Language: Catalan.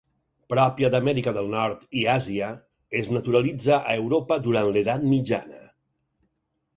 Pròpia d'Amèrica del Nord i Àsia, es naturalitza a Europa durant l'Edat Mitjana.